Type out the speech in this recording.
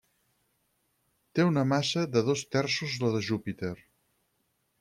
Té una massa de dos terços la de Júpiter.